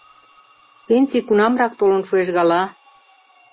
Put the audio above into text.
Пенсий кунамрак толын шуэш гала?